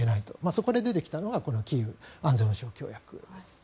そこで出てきたのがキーウ安全保障協約です。